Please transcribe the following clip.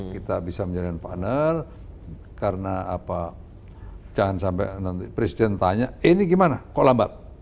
kita bisa menjadikan partner karena apa jangan sampai nanti presiden tanya eh ini gimana kok lambat